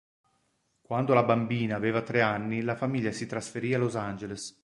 Quando la bambina aveva tre anni la famiglia si trasferì a Los Angeles.